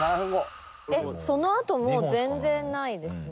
そのあともう全然ないですね。